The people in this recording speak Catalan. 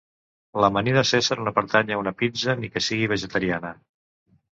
L'amanida cèsar no pertany a una pizza ni que sigui vegetariana.